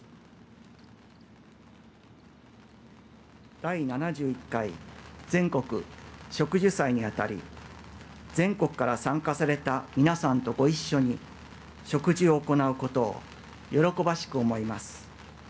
「第７１回全国植樹祭」にあたり全国から参加された皆さんとご一緒に植樹を行うことを喜ばしく思います。